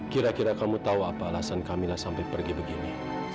kira kira kamu tahu apa alasan kamilah sampai pergi begini